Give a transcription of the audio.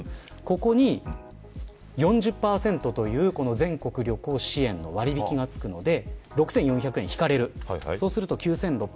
ここに４０％という全国旅行支援の割引がつくので６４００円が引かれます。